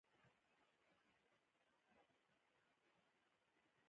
هغه ټوله سلامتيا ده، تر سهار راختلو پوري